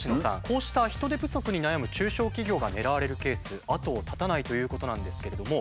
こうした人手不足に悩む中小企業が狙われるケース後を絶たないということなんですけれども。